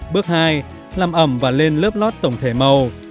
bước hai làm ẩm và lên lớp lót tổng thể màu